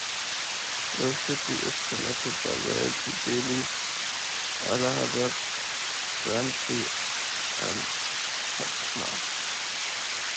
The city is connected by rail to Delhi, Allahabad, Ranchi and Patna.